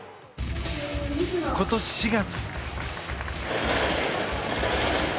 今年４月。